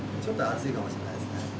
ちょっと熱いかもしれないですね。